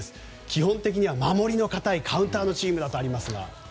基本的には守りの堅いカウンターのチームだとありますが。